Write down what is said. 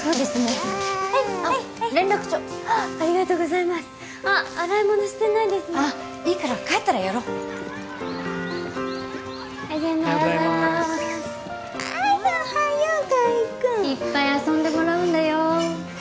はいはいはいあっ連絡帳ありがとうございますあっ洗い物してないですあっいいから帰ったらやろうおはようございますおはようございますはいおはよう海くんいっぱい遊んでもらうんだよ